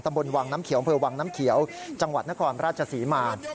บนวังน้ำเขียวอำเภอวังน้ำเขียวจังหวัดนครราชศรีมา